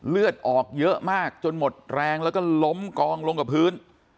เลือดออกเยอะมากจนหมดแรงแล้วก็ล้มกองลงกับพื้น